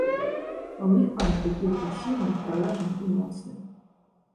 А ў іх панк такі агрэсіўны, гаражны і моцны.